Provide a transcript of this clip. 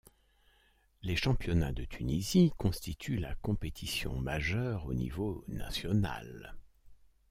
Les championnats de Tunisie constituent la compétition majeure au niveau national.